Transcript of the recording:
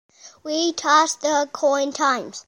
We toss the coin times.